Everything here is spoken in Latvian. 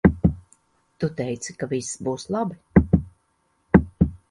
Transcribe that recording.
Tu teici ka viss būs labi.